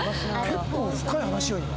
結構深い話よ